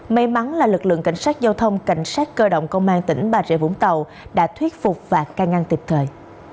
may mắn là lực lượng cảnh sát giao thông cảnh sát cơ động công an tỉnh bà rịa vũng tàu đã thuyết phục và can ngăn tiệp thời